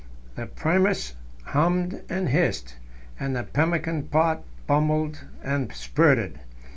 The Primus hummed and hissed, and the pemmican pot bubbled and spurted.